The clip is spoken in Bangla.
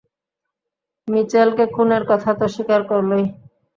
মিচেলকে খুনের কথা তো স্বীকার করলোই।